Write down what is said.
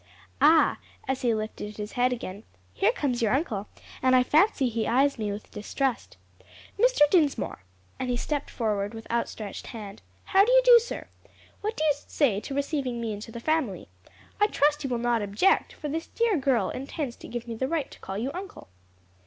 Ah," as he lifted his head again, "here comes your uncle, and I fancy he eyes me with distrust. Mr. Dinsmore," and he stepped forward with outstretched hand, "how do you do, sir? What do you say to receiving me into the family? I trust you will not object, for this dear girl intends to give me the right to call you uncle."